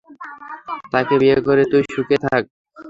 তাকে বিয়ে করে তুই সুখে থাক।